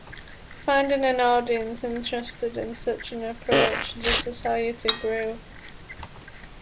Finding an audience interested in such an approach, the Society grew.